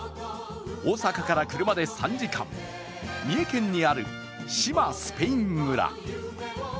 大阪から車で３時間、三重県にある志摩スペイン村。